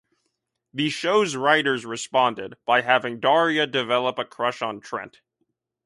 The show's writers responded by having Daria develop a crush on Trent.